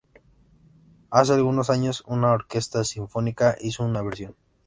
Hace algunos años, una orquesta sinfónica hizo una versión.